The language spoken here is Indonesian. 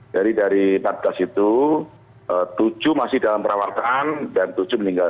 jadi dari empat belas itu tujuh masih dalam perawatan dan tujuh meninggal